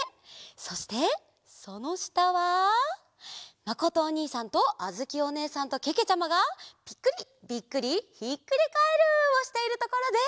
そしてそのしたはまことおにいさんとあづきおねえさんとけけちゃまが「ぴっくり！ビックリ！ひっくりカエル！」をしているところです。